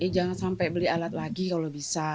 jangan sampai beli alat lagi kalau bisa